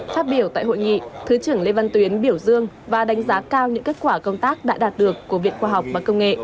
phát biểu tại hội nghị thứ trưởng lê văn tuyến biểu dương và đánh giá cao những kết quả công tác đã đạt được của viện khoa học và công nghệ